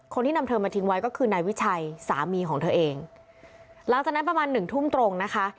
คนที่นำเธอมาทิ้งไว้ก็คือนายวิชัยสามีของเธอเองหลังจากนั้นประมาณหนึ่งทุ่มตรงนะคะ